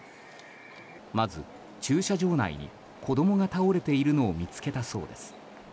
まず、駐車場内に子供が倒れているのを見つけたそうです。